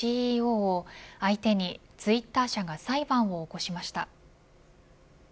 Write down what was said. ＣＥＯを相手にツイッター社が裁判を起こしました。